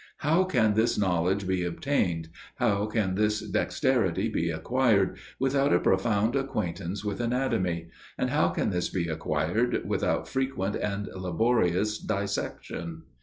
How can this knowledge be obtained, how can this dexterity be acquired, without a profound acquaintance with anatomy, and how can this be acquired without frequent and laborious dissection?